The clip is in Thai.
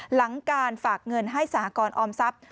หลังการฝากเงินให้สหกรออมทรัพย์